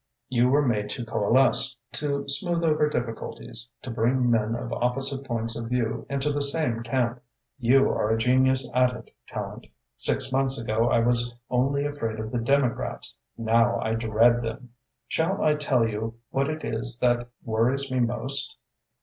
You were made to coalesce, to smooth over difficulties, to bring men of opposite points of view into the same camp. You are a genius at it, Tallente. Six months ago I was only afraid of the Democrats. Now I dread them. Shall I tell you what it is that worries me most?"